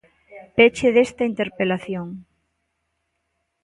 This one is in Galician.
Peche desta interpelación.